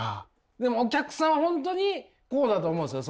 でもお客さんは本当にこうだと思うんです。